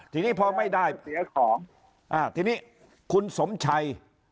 ทีนี้พอไม่ได้ทีนี้คุณสมชัย